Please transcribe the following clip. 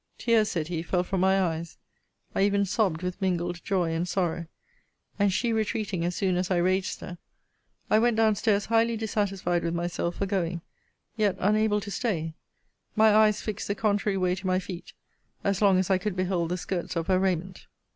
Tears, said he, fell from my eyes: I even sobbed with mingled joy and sorrow; and she retreating as soon as I raised her, I went down stairs highly dissatisfied with myself for going; yet unable to stay; my eyes fixed the contrary way to my feet, as long as I could behold the skirts of her raiment.